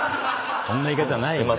そんな言い方ないよね。